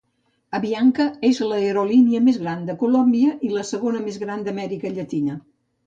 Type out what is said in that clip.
Avianca és l'aerolínia més gran de Colòmbia i la segona més gran d'Amèrica Llatina.